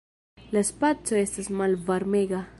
La Spaco estas malvarmega.